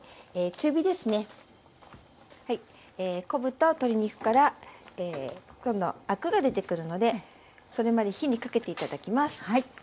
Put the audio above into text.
昆布と鶏肉からアクが出てくるのでそれまで火にかけて頂きます。